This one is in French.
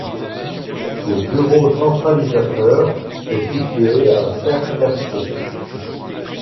Le bureau centralisateur est situé à Serres-Castet.